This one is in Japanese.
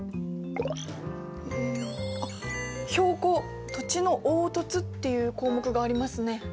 「標高・土地の凹凸」っていう項目がありますね。